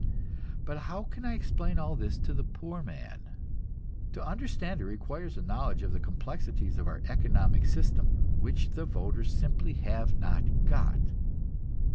But how can I explain all this to the poor man? To understand it requires a knowledge of the complexities of our economic system which the voters simply have not got.